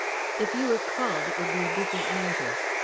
"If you were called it would be a different matter.